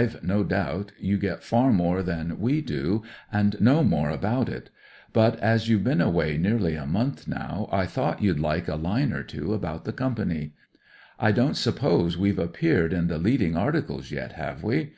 COMPANY IVe no doubt you get far more than we d and know more about it; but, as you've been away nearly a month now, I thought you'd hke a Ime or two about the Company. I don't suppose we've appeared in the leading articles yet, have we